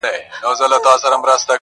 نه زما زخم د لکۍ سي جوړېدلای٫